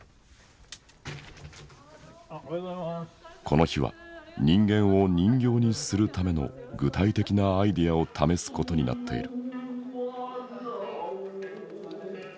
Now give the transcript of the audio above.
この日は人間を人形にするための具体的なアイデアを試すことになっている。